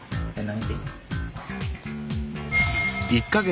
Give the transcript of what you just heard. １か月。